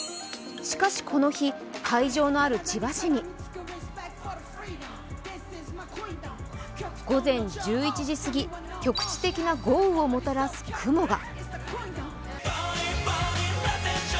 しかし、この日、会場のある千葉市に午前１１時すぎ、局地的な豪雨をもたらす雲が。